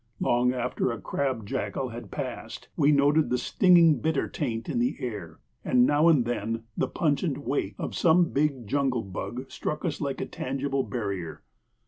Long after a crab jackal had passed, we noted the stinging, bitter taint in the air; and now and then the pungent wake of some big jungle bug struck us like a tangible barrier.